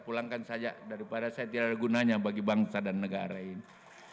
pulangkan saja daripada saya tidak ada gunanya bagi bangsa dan negara ini